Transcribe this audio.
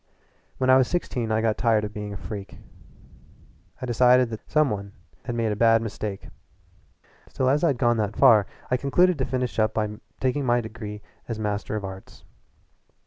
When I was sixteen I got tired of being a freak; I decided that some one had made a bad mistake. Still as I'd gone that far I concluded to finish it up by taking my degree of Master of Arts.